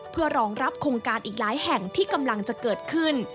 เพื่อรองรับโครงการอีกหลายแห่งที่กำลังจะเกิดขึ้น